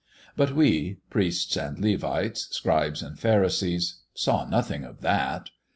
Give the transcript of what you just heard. But we priests and Levites, scribes and pharisees saw nothing of that.